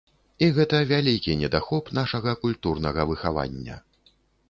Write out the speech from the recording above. І гэта вялікі недахоп нашага культурнага выхавання.